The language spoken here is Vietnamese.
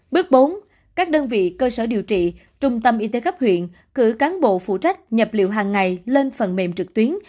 bước bốn các đơn vị cơ sở điều trị trung tâm y tế cấp huyện cử cán bộ phụ trách nhập liệu hàng ngày lên phần mềm trực tuyến